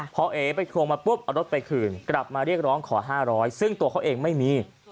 พอเอ๋ไปทวงมาปุ๊บเอารถไปคืนกลับมาเรียกร้องขอ๕๐๐ซึ่งตัวเขาเองไม่มี